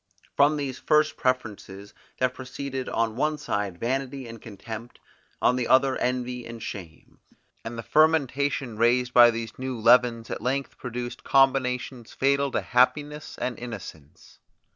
From these first preferences there proceeded on one side vanity and contempt, on the other envy and shame; and the fermentation raised by these new leavens at length produced combinations fatal to happiness and innocence.